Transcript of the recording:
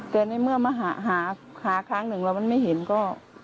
แต่ในเมื่อมาหาครั้งหนึ่งแล้วมันไม่เห็นก็